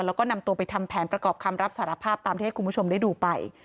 แล้วก็นำตัวไปทำแผนประกอบคำรับสารภาพตามที่ให้คุณผู้ชมได้ดูไป